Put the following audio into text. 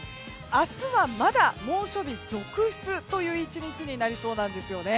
明日はまだ猛暑日続出という１日になりそうなんですよね。